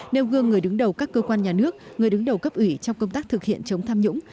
nêu gương người đứng đầu các cơ quan nhà nước người đứng đầu cấp ủy trong công tác thực hiện chống tham nhũng